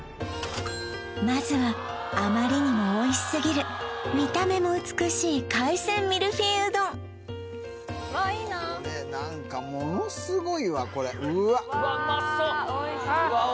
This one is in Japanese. まずはあまりにもおいしすぎる見た目も美しい海鮮ミルフィーユ丼わっいいなこれ何かものすごいわこれうわ・うわうまそっ